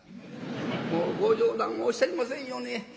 「もうご冗談をおっしゃりませんように。